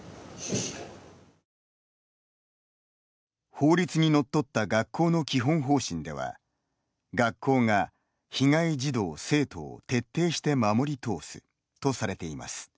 法律にのっとった学校の基本方針では学校が被害児童生徒を徹底して守り通すとされています。